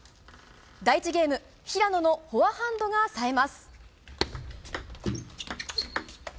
第１ゲーム平野のフォアハンドがさえます。